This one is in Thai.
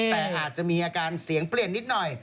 แต่อาจจะมีอาการเสียงเปลี่ยนนิดหน่อย